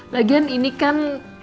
lagian ini kan